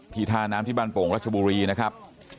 ท่าน้ำที่บ้านโป่งรัชบุรีนะครับ